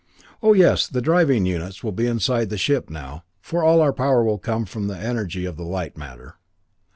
Oh yes, the driving units will be inside the ship now, for all our power will come from the energy of the light matter."